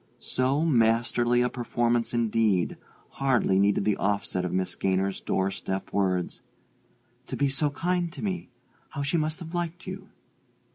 So masterly a performance, indeed, hardly needed the offset of Miss Gaynor's door step words "To be so kind to me, how she must have liked you!"